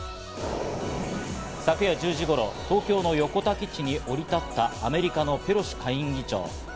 昨夜１０時頃、東京の横田基地に降り立ったアメリカのペロシ下院議長。